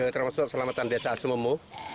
terima kasih selamat selamatan desa sememu